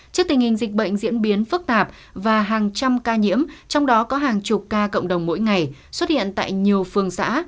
trước tình hình dịch bệnh diễn biến phức tạp và hàng trăm ca nhiễm trong đó có hàng chục ca cộng đồng mỗi ngày xuất hiện tại nhiều phương xã